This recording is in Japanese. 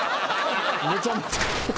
めちゃめちゃ。